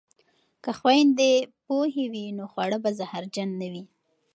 که خویندې پوهې وي نو خواړه به زهرجن نه وي.